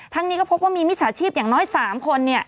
นี้ก็พบว่ามีมิจฉาชีพอย่างน้อย๓คน